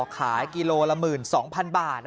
ขายกิโลละ๑๒๐๐๐บาท